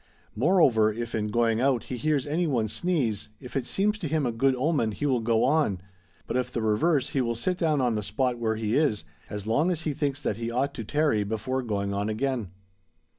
Moreover, if in going out, he hears any one sneeze, if it seems to him a good omen he will go on, but if the reverse he will sit down on the spot where he is, as long as he thinks that he ought to tarry before going on again.